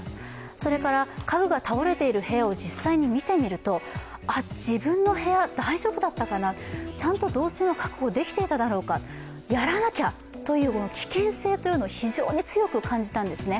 それから家具が倒れている部屋を実際に見てみると、あ、自分の部屋、大丈夫だったかな、ちゃんと動線は確保できていただろうか、やらなきゃ、危険性というのを非常に強く感じたんですね。